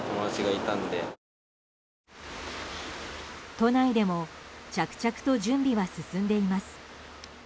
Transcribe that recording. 都内でも着々と準備は進んでいます。